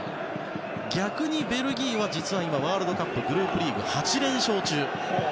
逆にベルギーは、実は今ワールドカップのグループリーグ８連勝中。